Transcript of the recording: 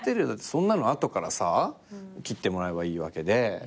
そんなの後から切ってもらえばいいわけで。